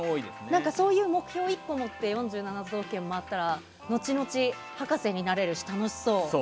そういう目標を１個持って４７都道府県を回ったら後々、博士になれるし楽しそう。